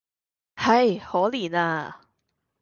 唉！可憐呀！